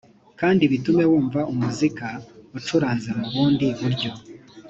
kandi bitume wumva umuzika ucuranze mu bundi buryo